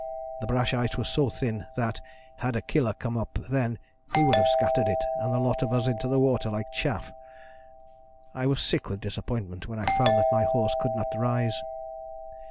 The brash ice was so thin that, had a 'Killer' come up then he would have scattered it, and the lot of us into the water like chaff. I was sick with disappointment when I found that my horse could not rise.